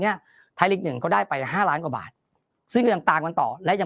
นี้ไทยลีก๑ก็ได้ไป๕ล้านกว่าบาทซึ่งต่างมันต่อแล้วยัง